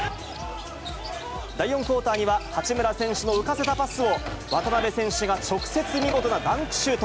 第４クオーターには、八村選手の浮かせたパスを渡邊選手が直接見事なダンクシュート。